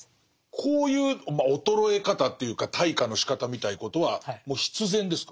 こういうまあ衰え方というか退化のしかたみたいなことはもう必然ですか？